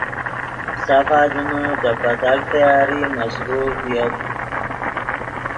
سف آدمے دے پتاک تیاری مصروف ڤییت